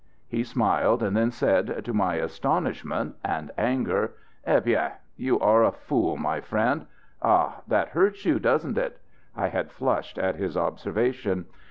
He smiled, and then said, to my astonishment and anger: "Eh bien! you are a fool, my friend. Ah! that hurts you, doesn't it?" (I had flushed at his observation).